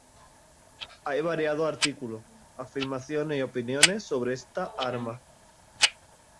Hay variados artículos, afirmaciones y opiniones sobre esta arma.